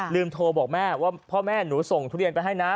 โทรบอกแม่ว่าพ่อแม่หนูส่งทุเรียนไปให้นะ